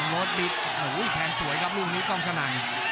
รถบิ๊กโอ้โหแทงสวยครับลูกนี้กล้องสนั่น